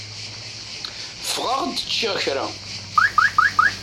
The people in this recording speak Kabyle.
Ffɣeɣ-d ččiɣ kra.